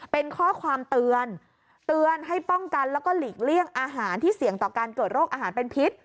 เป็นข้อความเตือนเตือนให้ป้องกันแล้วก็หลีกเลี่ยงอาหารที่เสี่ยงต่อการเกิดโรคอาหารเป็นพิษ